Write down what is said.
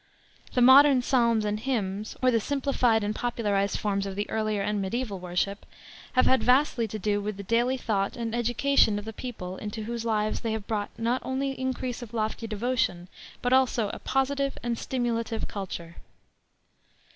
The modern psalms and hymns, or the simplified and popularized forms of the earlier and mediaeval worship, have had vastly to do with the daily thought and education of the people into whose life they have brought not only increase of lofty devotion but also a positive and stimulative culture.